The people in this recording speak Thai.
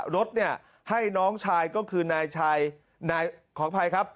รถเนี่ยให้น้องชายก็คือนายขออภัยครับ